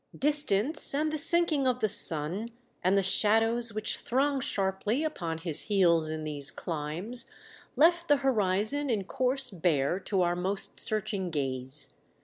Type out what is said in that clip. Distance and the sinking of the sun, and the shadows which throng sharply upon his heels in these climes, left the horizon in course bare to our most searching: Q aze.